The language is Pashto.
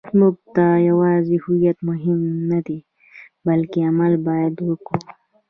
موږ ته یوازې هویت مهم نه دی، بلکې عمل باید وکړو.